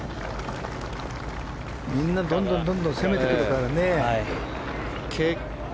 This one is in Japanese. みんなどんどん攻めてくるからね。